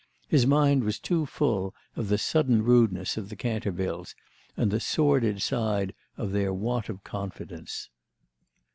His mind was too full of the sudden rudeness of the Cantervilles and the sordid side of their want of confidence.